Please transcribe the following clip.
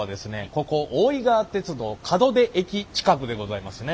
ここ大井川鐵道門出駅近くでございますね。